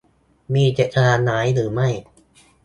มีเจตนาร้ายหรือไม่